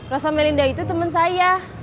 rosa melinda itu teman saya